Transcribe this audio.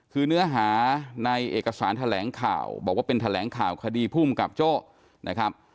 คือเนื้อหาในเอกสารแถลงข่าวบอกว่าเป็นแถลงข่าวคดีภูมิกับโจ้นะครับ